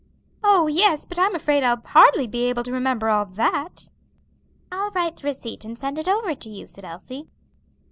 "Oh, yes! but I'm afraid I'll hardly be able to remember all that." "I'll write the receipt and send it over to you," said Elsie.